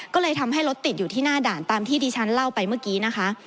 ก็เลยทำให้รถติดอยู่ที่หน้าด่านตามที่ดิฉันเล่าไปเมื่อกี้นะคะ